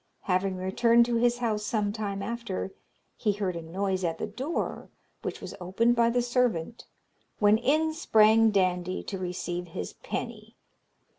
Having returned to his house some time after, he heard a noise at the door, which was opened by the servant, when in sprang Dandie to receive his penny.